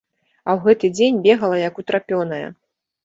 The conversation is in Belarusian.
А ў гэты дзень бегала як утрапёная.